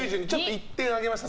１点上げました。